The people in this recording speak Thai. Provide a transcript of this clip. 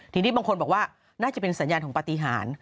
ทีนี้บางคนบอกว่าน่าจะเป็นสัญญาณของปฏิหาร